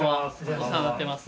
お世話になってます。